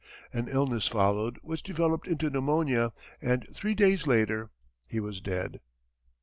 An illness followed, which developed into pneumonia, and three days later he was dead.